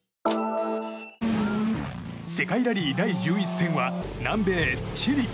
世界ラリー第１１戦は南米チリ。